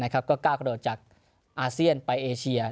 ก็ก้าวกระโดดจากอาเซียนไปเอเชีย